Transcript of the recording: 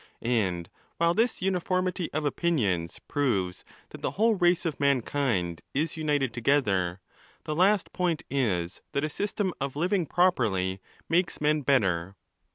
And while this uniformity of opinions proves that the whole race of man kind is united together, the last point is that a system of living properly makes men better.